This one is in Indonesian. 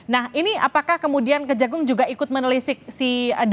nah ini apakah kemudian kejagung juga ikut menelisik si dua